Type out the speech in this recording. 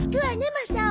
マサオ。